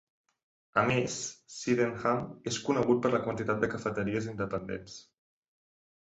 A més, Sydenham és conegut per la quantitat de cafeteries independents.